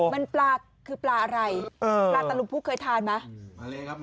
มันปลาคือปลาอะไรปลาตะลุมพุกเคยทานไหม